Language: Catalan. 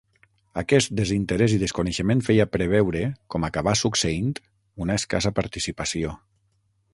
Aquest desinterès i desconeixement feia preveure, com acabà succeint, una escassa participació.